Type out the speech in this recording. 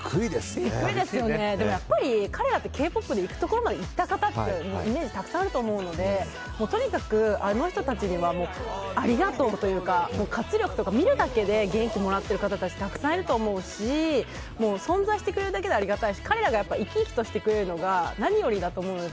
彼らってＫ‐ＰＯＰでいったっていうイメージたくさんあると思うのでとにかくあの人たちにはありがとうというか、活力とか見るだけで元気もらってる方たちたくさんいると思うし存在してくれるだけでありがたいし彼らが生き生きとしているだけで何よりだと思うと思うので。